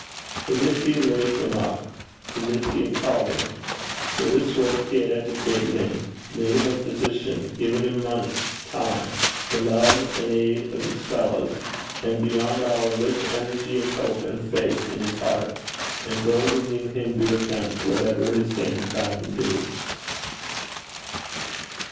For this he had raised him up; to this he had called him; for this work he had educated him, made him a physician, given him money, time, the love and aid of his fellows, and, beyond all, a rich energy of hope and faith in his heart, emboldening him to attempt whatever his hand found to do.